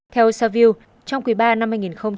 theo sao view trong quý ba năm hai nghìn một mươi tám